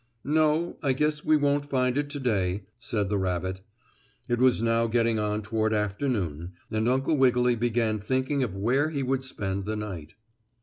"No, I guess we won't find it to day," said the rabbit. It was now getting on toward afternoon, and Uncle Wiggily began thinking of where he would spend the night.